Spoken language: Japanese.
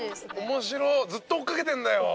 面白ずっと追っ掛けてんだよ。